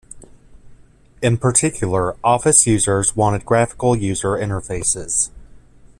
In particular, office users wanted graphical user interfaces.